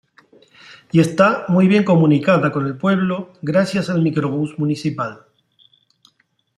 Y está muy bien comunicada con el pueblo gracias al microbús municipal.